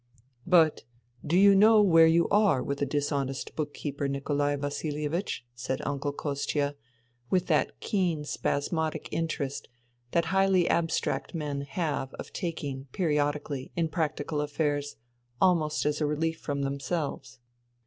" But do you know where you are with a dis honest book keeper, Nikolai Vasilievich ?" said Uncle Kostia with that keen spasmodic interest that highly abstract men have of taking, periodically, in practical affairs, almost as a relief from themselves.